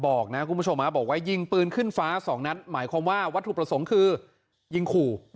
บอกนะคุณผู้ชมบอกว่ายิงปืนขึ้นฟ้าสองนัดหมายความว่าวัตถุประสงค์คือยิงขู่